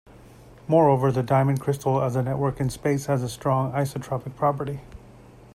Moreover, the diamond crystal as a network in space has a strong isotropic property.